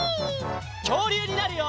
きょうりゅうになるよ！